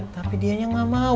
tapi dia yang gak mau